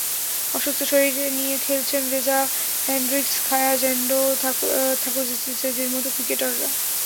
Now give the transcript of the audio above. অসুস্থ শরীর নিয়ে খেলেছেন Reeza Hendricks, Khaya Zondo, Thokozisi শেজির মতো ক্রিকেটাররা।